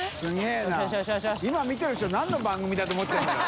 垢欧Г福見てる人何の番組だと思ってるんだろう？